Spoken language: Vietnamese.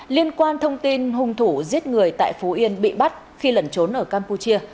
liên quan thông tin hung thủ giết người tại phú yên bị bắt khi lẩn trốn ở campuchia